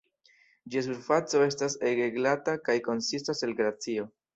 Ĝia surfaco estas ege glata kaj konsistas el glacio.